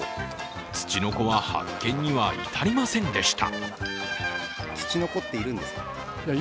つちのこは発見には至りませんでした。